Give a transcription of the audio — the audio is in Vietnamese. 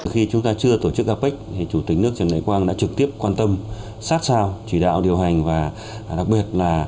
khi chúng ta chưa tổ chức apec chủ tịch nước trần đại quang đã trực tiếp quan tâm sát sao chỉ đạo điều hành và đặc biệt là